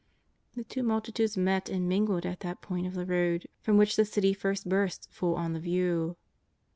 The two multitudes met and mingled at that point of the road from which the City first bursts full on the view.